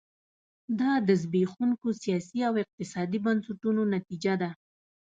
دا د زبېښونکو سیاسي او اقتصادي بنسټونو نتیجه ده.